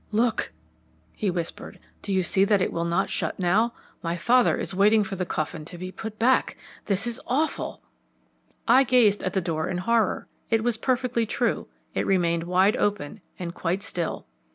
"Look," he whispered; "do you see that it will not shut now? My father is waiting for the coffin to be put back. This is awful!" I gazed at the door in horror; it was perfectly true, it remained wide open, and quite still.